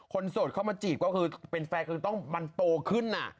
คนโศดเข้ามาจีบก็คือเป็นแฟนก็ต้องมันโตขึ้นน่ะ